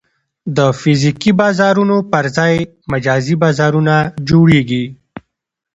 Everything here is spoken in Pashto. د فزیکي بازارونو پر ځای مجازي بازارونه جوړېږي.